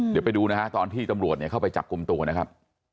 เดี๋ยวไปดูนะฮะตอนที่ตำรวจเข้าไปจับกลุ่มตัวนะครับ